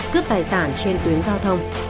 cướp tài sản trên tuyến giao thông